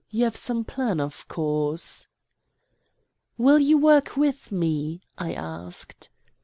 You have some plan, of course?" "Will you work with me?" I asked.